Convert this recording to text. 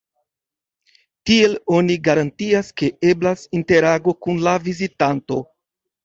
Tiel oni garantias, ke eblas interago kun la vizitanto.